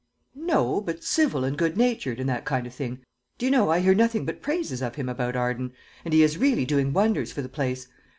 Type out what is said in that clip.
"No, but civil and good natured, and that kind of thing. Do you know, I hear nothing but praises of him about Arden; and he is really doing wonders for the place.